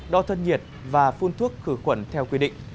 đo thân nhiệt và phun thuốc khử khuẩn theo quy định